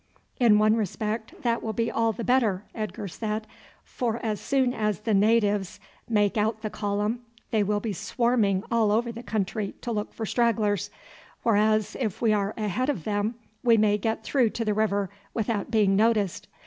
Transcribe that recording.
"In one respect that will be all the better," Edgar said; "for as soon as the natives make out the column they will be swarming all over the country to look for stragglers, whereas if we are ahead of them we may get through to the river without being noticed.